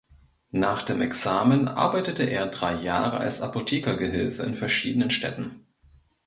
Nach dem Examen arbeitete er drei Jahre als Apothekergehilfe in verschiedenen Städten.